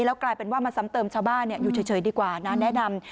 แล้วกลายเป็นว่ามาซ้ำเติมชาวบ้านอยู่เฉยดีกว่านะแนะนำ